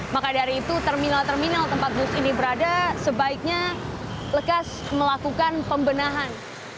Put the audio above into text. maka dari itu terminal terminal tempat bus ini berada sebaiknya lekas melakukan pembenahan